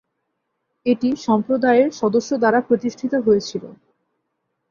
এটি সম্প্রদায়ের সদস্য দ্বারা প্রতিষ্ঠিত হয়েছিল।